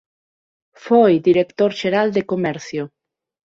Foi Director xeral de Comercio.